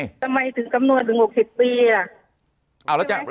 ทำไมถึงคำนวณถึง๖๐ปีล่ะ